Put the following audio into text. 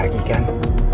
gak mau nyerang